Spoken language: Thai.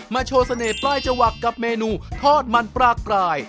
โชว์เสน่ห์ปลายจวักกับเมนูทอดมันปลากราย